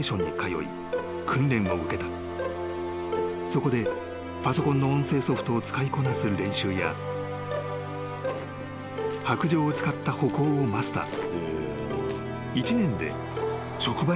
［そこでパソコンの音声ソフトを使いこなす練習や白杖を使った歩行をマスター］